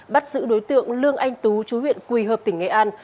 bắt giữ đối tượng lương anh tú chú huyện quỳ hợp tỉnh nghệ an